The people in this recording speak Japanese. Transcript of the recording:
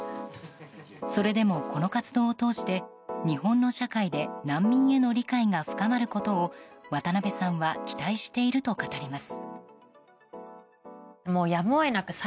それでも、この活動を通して日本の社会で難民への理解が深まることを渡部さんは期待していると語ります。